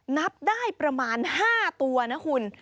นับได้ประมาณ๕ตัวนะคุณ